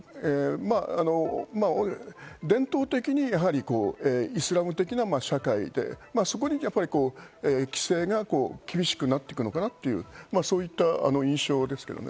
伝統的にイスラム的な社会、そこに規制が厳しくなっていくのかなと、そういった印象です。